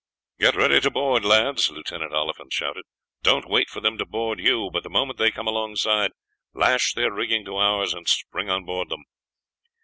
"Get ready to board, lads!" Lieutenant Oliphant shouted. "Don't wait for them to board you, but the moment they come alongside lash their rigging to ours and spring on board them."